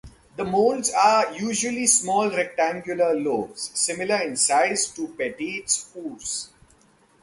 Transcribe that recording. The molds are usually small rectangular loaves similar in size to petits fours.